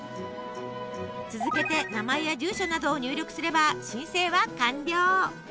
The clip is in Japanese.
続けて名前や住所などを入力すれば申請は完了！